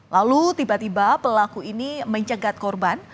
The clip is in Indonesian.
lalu tiba tiba pelaku ini mencegat korban